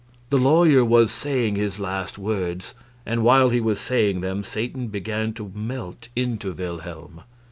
The lawyer was saying his last words; and while he was saying them Satan began to melt into Wilhelm.